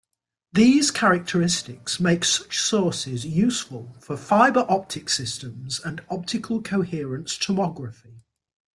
These characteristics make such sources useful for fiber optic systems and optical coherence tomography.